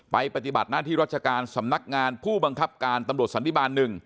ปฏิบัติหน้าที่รัชการสำนักงานผู้บังคับการตำรวจสันติบาล๑